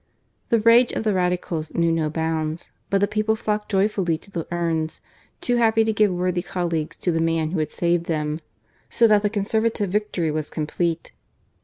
The rage of the Radicals knew no bounds ; but the people flocked joyfully to the urns, too happy to give worthy colleagues to the man who had saved them ; so that the Conservative victory was com plete.